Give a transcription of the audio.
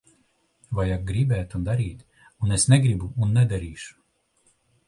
Vajag gribēt un darīt. Un es negribu un nedarīšu.